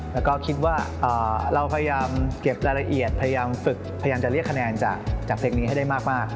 แล้วก็คิดว่าเราพยายามเก็บรายละเอียดพยายามฝึกพยายามจะเรียกคะแนนจากเพลงนี้ให้ได้มาก